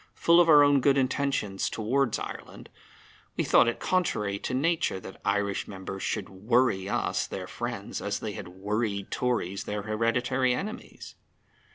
Full of our own good intentions towards Ireland, we thought it contrary to nature that Irish members should worry us, their friends, as they had worried Tories, their hereditary enemies.